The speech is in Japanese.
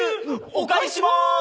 お返ししまーす。